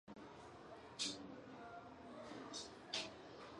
这一时期的训练演习为公海舰队在第一次世界大战的行动提供了框架。